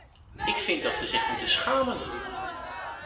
Ik vind dat ze zich moeten schamen!